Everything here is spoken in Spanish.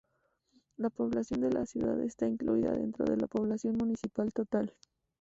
La población de la ciudad está incluida dentro de la población municipal total.